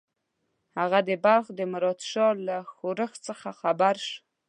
هغه د بلخ د مراد شاه له ښورښ څخه خبر شو.